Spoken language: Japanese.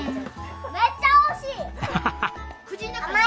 めっちゃ美味しい！